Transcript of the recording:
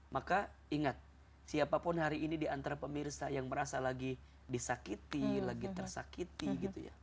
maka ingat siapapun hari ini di antara pemirsa yang merasa lagi disakiti lagi tersakiti